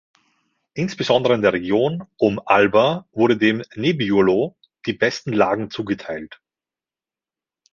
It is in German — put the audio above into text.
Insbesondere in der Region um Alba wurde dem Nebbiolo die besten Lagen zugeteilt.